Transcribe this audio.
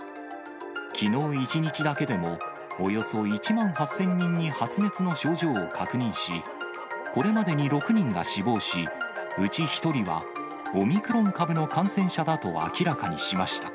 きのう１日だけでもおよそ１万８０００人に発熱の症状を確認し、これまでに６人が死亡し、うち１人は、オミクロン株の感染者だと明らかにしました。